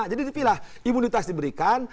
jadi dipilah imunitas diberikan